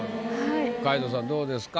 皆藤さんどうですか？